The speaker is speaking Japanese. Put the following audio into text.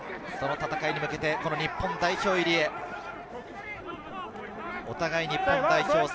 その戦いに向けてこの日本代表入りへお互いに日本代表。